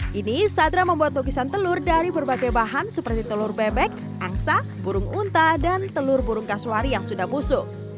kini sadra membuat lukisan telur dari berbagai bahan seperti telur bebek angsa burung unta dan telur burung kasuari yang sudah busuk